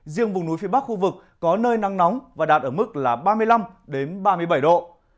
riêng vùng núi phía bắc khu vực có nơi nắng nóng và đạt ở mức là ba mươi năm ba mươi bảy độ